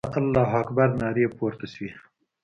د الله اکبر نارې پورته سوې.